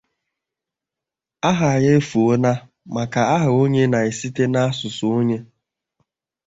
aha ya efuona maka aha onye na-esite n'asụsụ onye.